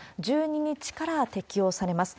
１２日から適用されます。